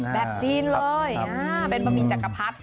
แบบจีนเลยเป็นบะหมี่จักรพรรดิ